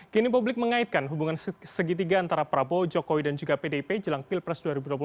kini publik mengaitkan hubungan segitiga antara prabowo jokowi dan juga pdip jelang pilpres dua ribu dua puluh empat